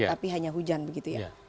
tapi hanya hujan begitu ya